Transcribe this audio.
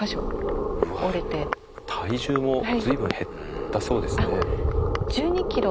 体重も随分減ったそうですね。